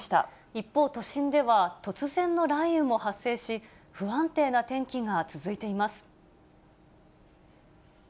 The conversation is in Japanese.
一方、都心では突然の雷雨も発生し、不安定な天気が続いています。